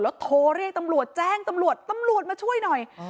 โทรเรียกตำรวจแจ้งตำรวจตำรวจมาช่วยหน่อย